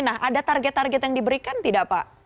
nah ada target target yang diberikan tidak pak